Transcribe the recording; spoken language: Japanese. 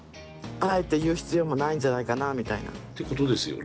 「あえて言う必要もないんじゃないかな」みたいな。ってことですよね。